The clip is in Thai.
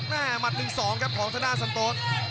หมัดหนึ่งสองครับของชนะสันโต๊ธ